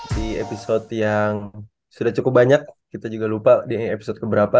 di episode yang sudah cukup banyak kita juga lupa di episode keberapa